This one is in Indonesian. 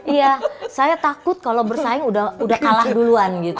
iya saya takut kalau bersaing udah kalah duluan gitu